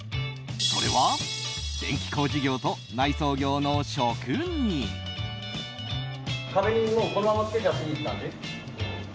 それは電気工事業と内装業の職人。